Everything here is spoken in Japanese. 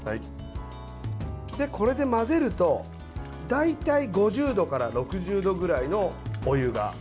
これで混ぜると大体５０度から６０度くらいのお湯が完成します。